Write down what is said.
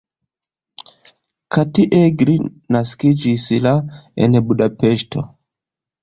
Kati Egri naskiĝis la en Budapeŝto.